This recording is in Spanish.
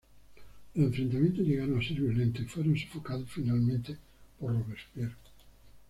Los enfrentamientos llegaron a ser violentos y fueron sofocados finalmente por Robespierre.